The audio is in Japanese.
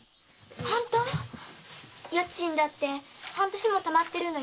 本当⁉家賃だって半年もたまってるのよ。